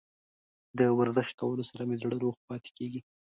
د ورزش کولو سره مې زړه روغ پاتې کیږي.